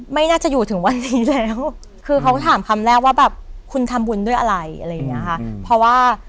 ไม่น่าจะอยู่ถึงวันนี้แล้ว